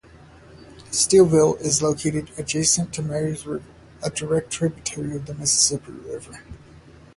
Steeleville is located adjacent to Mary's River, a direct tributary of the Mississippi River.